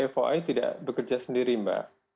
foi tidak bekerja sendiri mbak